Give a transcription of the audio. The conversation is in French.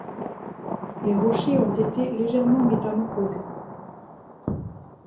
Les rochers ont été légèrement métamorphosés.